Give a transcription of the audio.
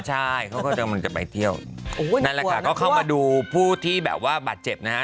ใช่เขาก็จะมาเที่ยวนั่นแหละค่ะเขาเข้ามาดูผู้ที่แบบว่าบัติเจ็บนะฮะ